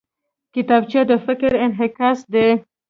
کتابچه د فکر انعکاس دی